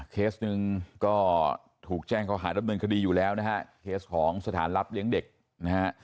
เคสหนึ่งก็ถูกแจ้งเขาหาดำเนินคดีอยู่แล้วนะฮะเคสของสถานรับเลี้ยงเด็กนะฮะ